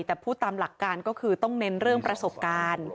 แต่พูดตามหลักการก็คือต้องเน้นเรื่องประสบการณ์